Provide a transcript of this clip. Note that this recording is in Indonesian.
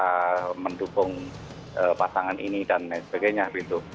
kita mendukung pasangan ini dan sebagainya begitu